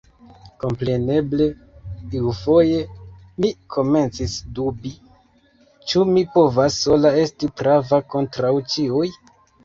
Kompreneble, iufoje mi komencis dubi, ĉu mi povas sola esti prava kontraŭ ĉiuj?